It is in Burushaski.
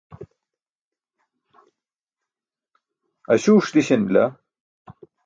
aśuuṣ diśan bila